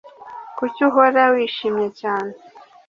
Kuki uhora wishimye cyane